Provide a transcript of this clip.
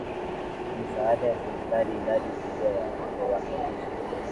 misaada ya serikali Idadi kubwa ya wawakilishi